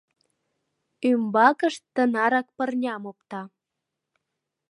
Ӱмбакышт тынарак пырням опта.